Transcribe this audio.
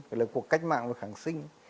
cái là cuộc cách mạng và kháng sinh